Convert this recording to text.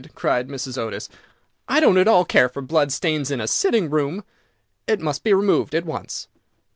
cried Mrs. Otis; "I don't at all care for blood stains in a sitting room. It must be removed at once."